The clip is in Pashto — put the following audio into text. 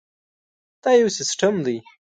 دا یو سیسټم دی.